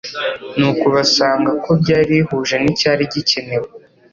nuko basanga ko ryari rihuje n'icyari gikenewe.